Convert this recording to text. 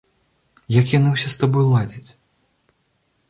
Як яны ўсе з табою ладзяць?